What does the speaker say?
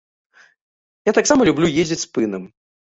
Я таксама люблю ездзіць спынам.